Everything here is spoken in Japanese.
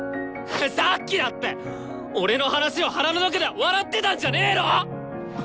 さっきだって俺の話を腹の中では笑ってたんじゃねの！？